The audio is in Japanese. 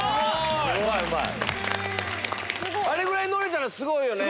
あれぐらい乗れたらすごいよね。